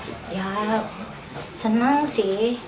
ya senang sih